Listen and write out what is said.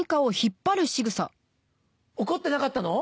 怒ってなかったの？